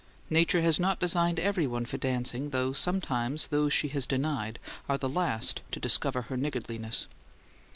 Nature has not designed everyone for dancing, though sometimes those she has denied are the last to discover her niggardliness.